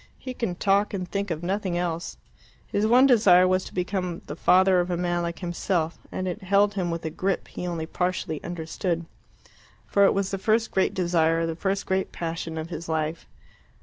He could talk and think of nothing else. His one desire was to become the father of a man like himself, and it held him with a grip he only partially understood, for it was the first great desire, the first great passion of his life.